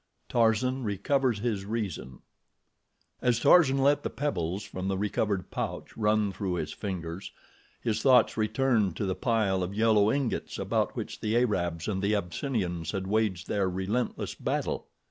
Tarzan Recovers His Reason As Tarzan let the pebbles from the recovered pouch run through his fingers, his thoughts returned to the pile of yellow ingots about which the Arabs and the Abyssinians had waged their relentless battle.